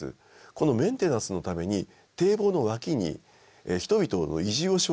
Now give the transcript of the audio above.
このメンテナンスのために堤防の脇に人々の移住を奨励するんです。